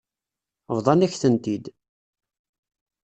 Bḍan-ak-tent-id.